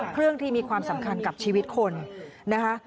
เครื่องที่มีความสำคัญกับชีวิตคนนะคะ